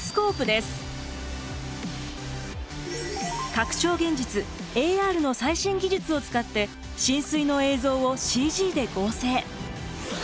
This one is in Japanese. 拡張現実ＡＲの最新技術を使って浸水の映像をＣＧで合成。